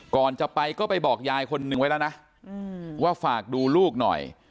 ก่อนจะไปก็ไปบอกยายคนนึงไว้แล้วนะว่าฝากดูลูกหน่อย